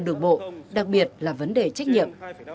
đường bộ đặc biệt là vấn đề trách nhiệm